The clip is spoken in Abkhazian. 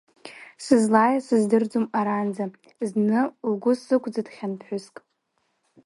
Сызлаиаз сыздыруам аранӡа, зны лгәы сықәӡыҭхьан ԥҳәыск.